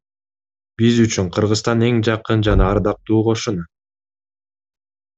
Биз үчүн Кыргызстан эң жакын жана ардактуу кошуна.